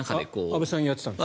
安部さんもやってたんですか？